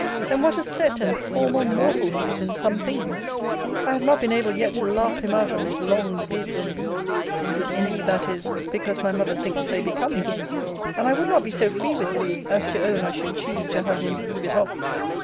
Then what a set and formal mortal he is in some things! I have not been able yet to laugh him out of his long bid and beads. Indeed, that is, because my mother thinks they become him; and I would not be so free with him, as to own I should choose to have him leave it off.